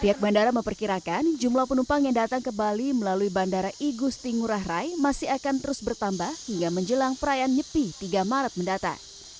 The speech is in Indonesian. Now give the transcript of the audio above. pihak bandara memperkirakan jumlah penumpang yang datang ke bali melalui bandara igusti ngurah rai masih akan terus bertambah hingga menjelang perayaan nyepi tiga maret mendatang